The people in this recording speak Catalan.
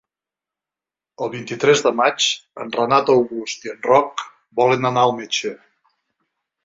El vint-i-tres de maig en Renat August i en Roc volen anar al metge.